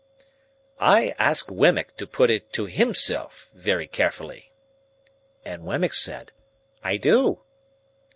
"I ask Wemmick to put it to _him_self very carefully." And Wemmick said, "I do."